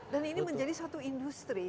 dan ini menjadi suatu industri